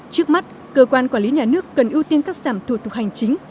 trước mắt cơ quan quản lý nhà nước cần ưu tiên cắt giảm thuộc hành chính